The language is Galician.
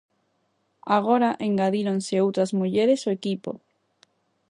Agora engadíronse outras mulleres ao equipo.